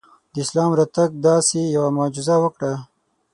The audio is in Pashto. د اسلام راتګ داسې یوه معجزه وکړه.